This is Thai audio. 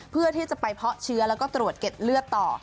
เพื่อที่จะไปเพาะเชื้อแล้วก็ตรวจเก็ดเลือดต่อ